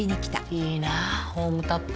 いいなホームタップ。